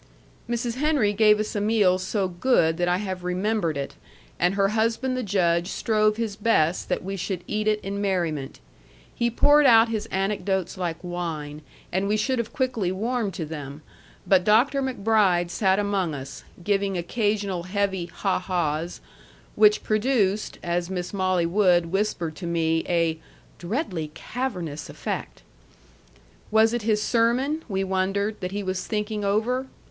Mrs. Henry gave us a meal so good that I have remembered it, and her husband the Judge strove his best that we should eat it in merriment. He poured out his anecdotes like wine, and we should have quickly warmed to them; but Dr. MacBride sat among us, giving occasional heavy ha ha's, which produced, as Miss Molly Wood whispered to me, a "dreadfully cavernous effect." Was it his sermon, we wondered, that he was thinking over?